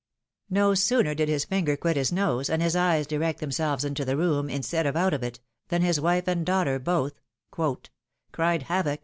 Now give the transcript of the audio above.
No sooner did his finger quit his nose, and his eyes direct themselves into the room, instead of out of it, than his wife and daughter both Cried " Havock !